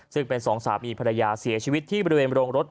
ซึ่งเป็นสองสามีภรรยาเสียชีวิตที่บริเวณโรงรถ